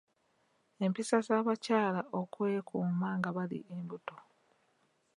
Empisa z’abakyala okwekuuma nga bali embuto.